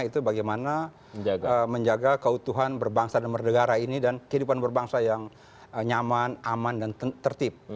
itu bagaimana menjaga keutuhan berbangsa dan bernegara ini dan kehidupan berbangsa yang nyaman aman dan tertib